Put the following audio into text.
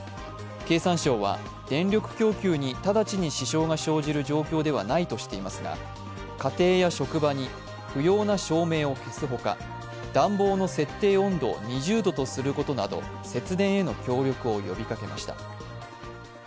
経産省は、電力供給に直ちに支障が生じる状況ではないとしていますが家庭や職場に不要な照明を消すほか、暖房の設定温度を２０度とすることなど節電への協力を呼びかけました。